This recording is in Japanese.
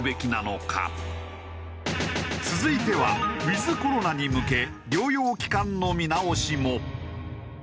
続いてはウィズコロナに向け療養期間の見直しも。